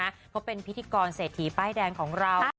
เพราะเป็นพิธีกรเศรษฐีป้ายแดงของเรา